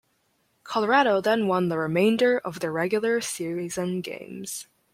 Colorado then won the remainder of their regular season games.